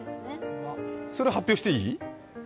それは発表していい？